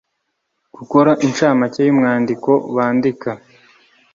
Gukora inshamake y'umwandiko bandika.